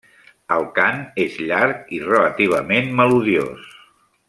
El cant és llarg i relativament melodiós.